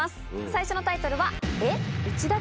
最初のタイトルは。